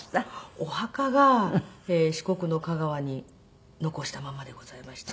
お墓が四国の香川に残したままでございまして。